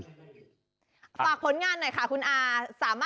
ฝากผลงานหน่อยค่ะคุณอ่า